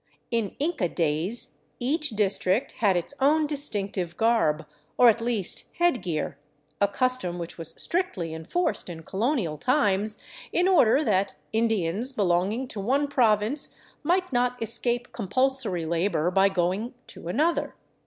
In Inca days each district had its own dis tinctive garb, or at least head gear, a custom which was strictly en forced in colonial times, in order that Indians belonging to one province might not escape compulsory labor by going to another.